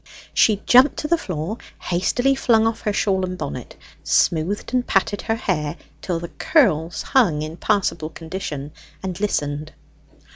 She jumped to the floor, hastily flung off her shawl and bonnet, smoothed and patted her hair till the curls hung in passable condition, and listened.